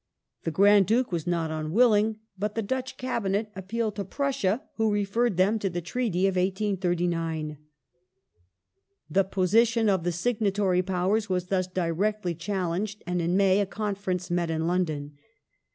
The Grand Duke was not unwilling, but the Dutch Cabinet appealed to Prussia who referred them to the Treaty of 1839. The position of the signatory Powers was thus directly challenged, Confer and in May a conference met in London.